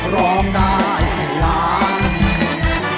ร้องได้ให้ล้าน